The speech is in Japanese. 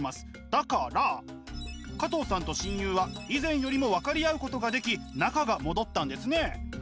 だから加藤さんと親友は以前よりも分かり合うことができ仲が戻ったんですね！